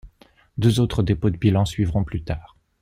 Deux autres dépôts de bilan suivront plus tard.